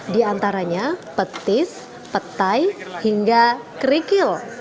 di antaranya petis petai hingga kerikil